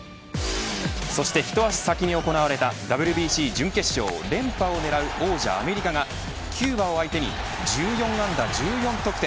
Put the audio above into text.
そして一足先に行われたＷＢＣ準決勝連覇を狙う王者アメリカがキューバを相手に１４安打１４得点。